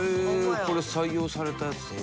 これ採用されたやつか。